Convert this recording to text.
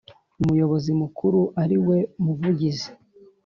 Umuyobozi mukuru ariwe Muvugizi